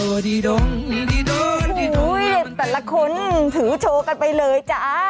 แต่ละคนถือโชว์กันไปเลยจ้า